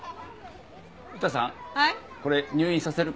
うたさんこれ入院させるから。